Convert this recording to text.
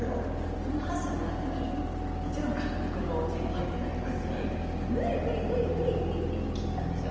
その８社の中にもちろん監督のチームは入ってないですし「無理無理無理無理無理」って言って切ったんですよ